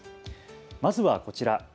まずはこちら。